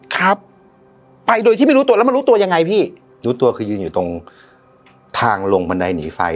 ครับไปโดยที่ไม่รู้ตัวแล้วมันรู้ตัวยังไงพี่รู้ตัวคือยืนอยู่ตรงทางลงบันไดหนีไฟ